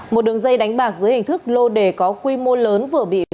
một đường dây đánh bạc dưới hình thức lô đề có quy mô lớn vừa bị